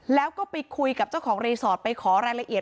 แล้วก็ไปคุยกับเจ้าของรีสอร์ทไปขอรายละเอียด